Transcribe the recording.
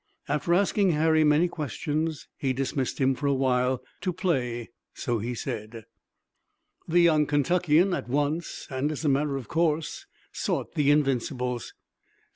After asking Harry many questions he dismissed him for a while, to play, so he said. The young Kentuckian at once, and, as a matter of course, sought the Invincibles. St.